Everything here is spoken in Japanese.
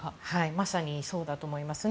まさにそうだと思いますね。